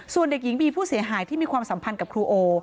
ส่วนเด็กหญิงบีผู้เสียหายที่มีความสัมพันธ์กับครูโอ